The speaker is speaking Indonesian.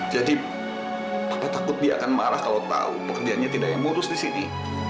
jadi papa takut dia akan marah kalau tahu pekerjaannya tidak yang murus di sini